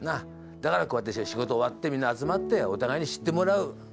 だからこうやって仕事終わってみんな集まってお互いに知ってもらう。